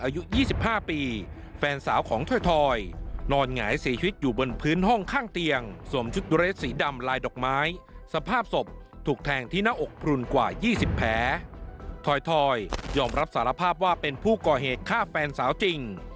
อายุ๒๕ปีแฟนสาวของถอยนอนหงายเสียชีวิตอยู่บนพื้นห้องข้างเตียงสวมชุดยูเรสสีดำลายดอกไม้สภาพศพถูกแทงที่หน้าอกพลุนกว่า๒๐แผลถอยยอมรับสารภาพว่าเป็นผู้ก่อเหตุฆ่าแฟนสาวจริง